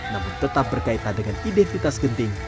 namun tetap berkaitan dengan identitas genting